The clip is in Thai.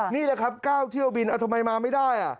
นี่แหละครับ๙เที่ยวบินทำไมมาไม่ได้